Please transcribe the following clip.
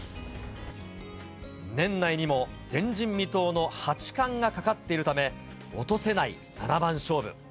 年内にも前人未到の八冠がかかっているため、落とせない七番勝負。